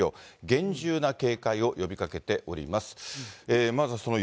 厳重な警戒を呼びかけております。